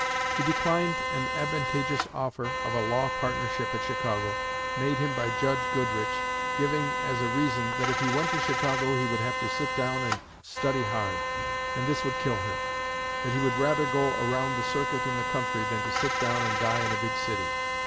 He declined an advantageous offer of a law partnership at Chicago, made him by Judge Goodrich, giving as a reason that if he went to Chicago he would have to sit down and study hard, and this would kill him; that he would rather go around the circuit in the country than to sit down and die in a big city.